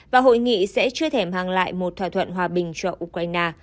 và hội nghị sẽ chưa thèm hàng lại một thỏa thuận hòa bình cho ukraine